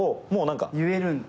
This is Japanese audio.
言えるんだ。